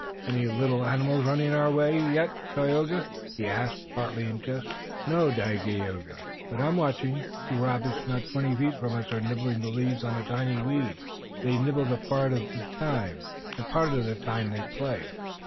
"Any little animals running away yet, Tayoga?" he asked, partly in jest. "No, Dagaeoga, but I am watching. Two rabbits not twenty feet from us are nibbling the leaves on a tiny weed, that is, they nibble part of the time, and part of the time they play."